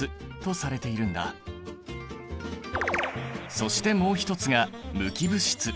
そしてもう一つが無機物質。